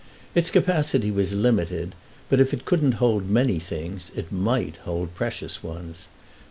Its capacity was limited, but if it couldn't hold many things it might hold precious ones.